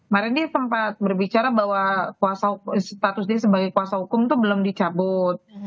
kemarin dia sempat berbicara bahwa status dia sebagai kuasa hukum itu belum dicabut